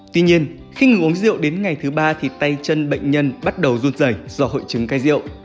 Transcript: tuy nhiên khi ngừng uống rượu đến ngày thứ ba thì tay chân bệnh nhân bắt đầu run dày do hội chứng cây rượu